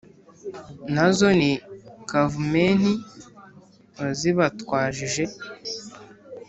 Nazo ni Kavumenti wazibatwajije